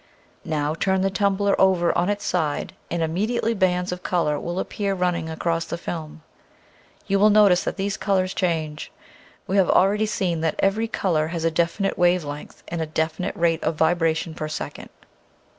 Now turn the tumbler over on its side and immediately bands of color will appear running across the film. You will notice that these colors change. We have already seen that every color has a definite wave length and a definite rate of vibration per second.